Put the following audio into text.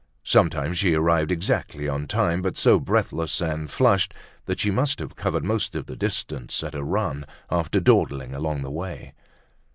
Sometimes she arrived exactly on time but so breathless and flushed that she must have covered most of the distance at a run after dawdling along the way.